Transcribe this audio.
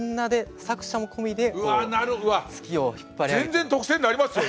全然特選なりますよ。